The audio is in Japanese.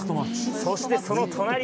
そして、その隣。